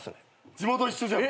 地元一緒じゃん。